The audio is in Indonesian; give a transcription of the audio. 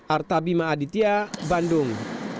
artabi maaditya bandung